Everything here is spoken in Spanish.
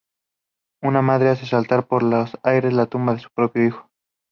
Una madre hace saltar por los aires la tumba de su propio hijo.